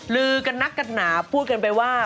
ลือกันนักกันหนาพูดกันไปว่า